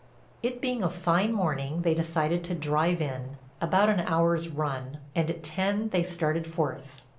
It being a fine morning they decided to drive in—about an hour's run—and at ten they started forth.